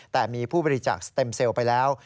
แต่มีผู้บริจาคสเต็มเซลล์ไปแล้ว